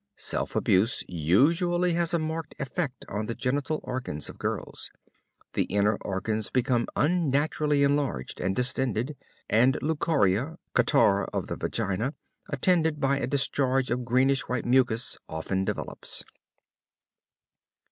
Self abuse usually has a marked effect on the genital organs of girls. The inner organs become unnaturally enlarged and distended, and leucorrhea, catarrh of the vagina, attended by a discharge of greenish white mucus, often develops.